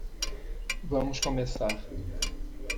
Vamos começar.